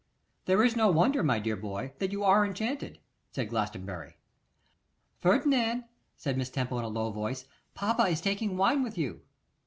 'There is no wonder, my dear boy, that you are enchanted,' said Glastonbury. 'Ferdinand,' said Miss Temple in a low voice, 'papa is taking wine with you.